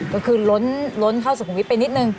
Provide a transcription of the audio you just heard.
ก็คือล้นเข้าสุขุมวิทย์ไปนิดนึง